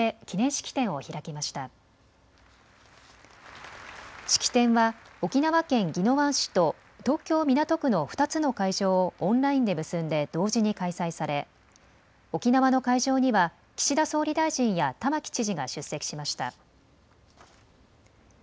式典は沖縄県宜野湾市と東京港区の２つの会場をオンラインで結んで同時に開催され、沖縄の会場には岸田総理大臣や玉城知事が出席しました。